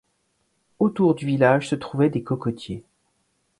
Autour du village se trouvait des cocotiers.